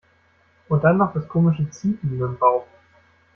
Und dann noch das komische Ziepen im Bauch.